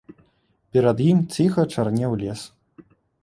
Перад ім ціха чарнеў лес.